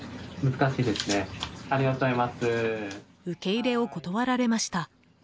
受け入れを断られました。